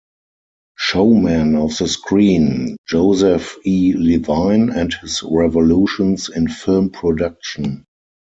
Showman of the Screen: Joseph E. Levine and His Revolutions in Film Production.